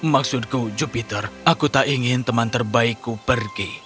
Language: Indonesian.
maksudku jupiter aku tak ingin teman terbaikku pergi